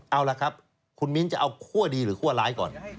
เอาล่ะครับคุณมิ้นจะเอาคั่วดีหรือคั่วร้ายก่อน